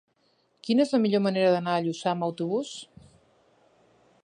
Quina és la millor manera d'anar a Lluçà amb autobús?